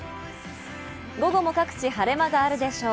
午後も各地、晴れ間があるでしょう。